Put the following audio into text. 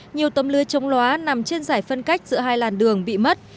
nhiều tấm lưới chống loá nằm trên giải phân cách giữa hai làn đường bị mất